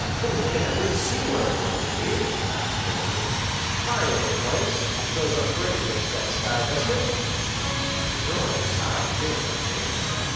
"We can at least see where we want to be," laughed Brandon. "Fine old place shows up great against that sky; doesn't it?" The girl at his side did not answer.